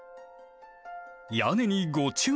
屋根にご注目！